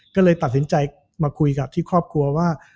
ก็เลยตัดสินใจมาคุยกับที่ครอบครัวว่า